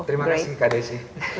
terima kasih kak desy